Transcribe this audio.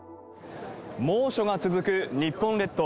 猛暑が続く日本列島。